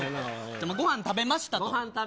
ご飯を食べましたと。